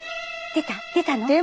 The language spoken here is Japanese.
出たの？